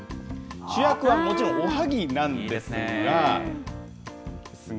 主役はもちろん、おはぎなんですが。